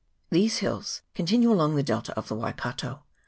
These hills continue along the delta of the Wai kato.